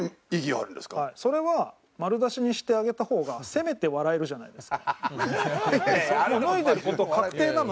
それは丸出しにしてあげた方がせめて笑えるじゃないですか。